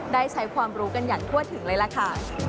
ได้ใช้ความรู้กันอย่างทั่วถึงเลยล่ะค่ะ